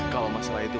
kalau masalah itu